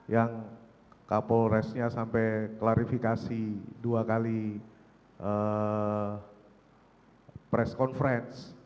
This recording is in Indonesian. yang ke polresnya sampai klarifikasi dua kali press conference